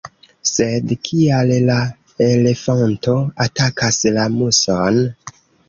Sed kial la elefanto atakas la muson?